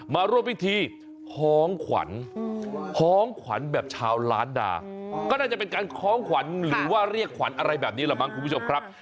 มาร่วมพิธีของขวัญของขวัญแบบชาวล้านนาก็น่าจะเป็นการคล้องขวัญหรือว่าเรียกขวัญอะไรแบบนี้แหละมั้งคุณผู้ชมครับ